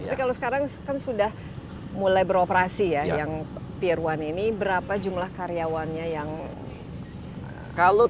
tapi kalau sekarang kan sudah mulai beroperasi ya yang pier satu ini berapa jumlah karyawannya yang kerja disini